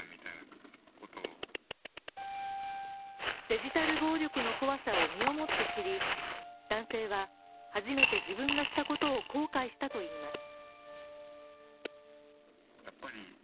デジタル暴力の怖さを身をもって知り男性は初めて自分がしたことを後悔したといいます。